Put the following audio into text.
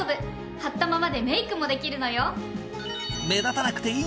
貼ったままでメイクもできるのよ！